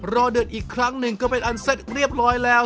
เดือดอีกครั้งหนึ่งก็เป็นอันเสร็จเรียบร้อยแล้ว